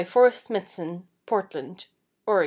Forest Smithson, Portland, Ore.